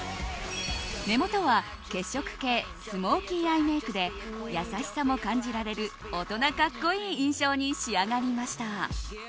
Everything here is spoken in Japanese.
目元は血色系スモーキーアイメイクで優しさも感じられる大人格好いい印象に仕上がりました。